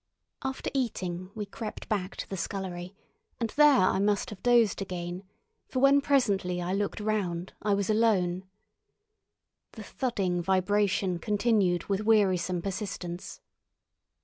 After eating we crept back to the scullery, and there I must have dozed again, for when presently I looked round I was alone. The thudding vibration continued with wearisome persistence.